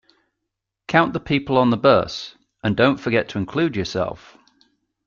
Count the people on the bus, and don't forget to include yourself.